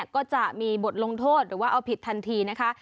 ก็จะมีบทลงโทษหรือว่าเอาผิดทันทีนะคะ